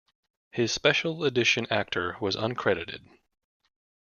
His Special Edition actor was uncredited.